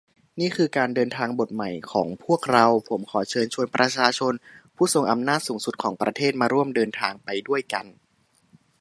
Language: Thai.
นี่คือการเดินทางบทใหม่ของพวกเรา ผมขอเชิญชวนประชาชนผู้ทรงอำนาจสูงสุดของประเทศมาร่วมเดินทางไปด้วยกัน